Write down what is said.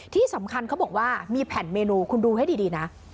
ที่สำคัญเขาบอกว่ามีแผ่นเมนูคุณดูให้ดีนะ